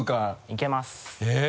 いけます。